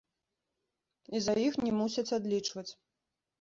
І за іх не мусяць адлічваць.